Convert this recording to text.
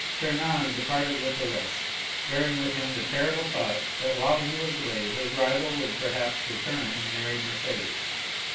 Fernand departed with the rest, bearing with him the terrible thought that while he was away, his rival would perhaps return and marry Mercédès.